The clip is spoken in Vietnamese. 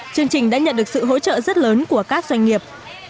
chương trình đã nhận được sự hỗ trợ rất lớn của các doanh nghiệp